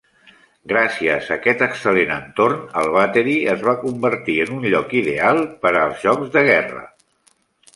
Gràcies a aquest excel·lent entorn, el Battery es va convertir en un lloc ideal per els jocs de guerra.